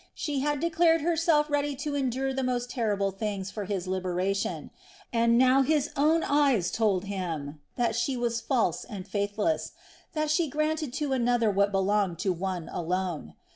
She had declared herself ready to endure the most terrible things for his liberation; and now his own eyes told him that she was false and faithless, that she granted to another what belonged to one alone.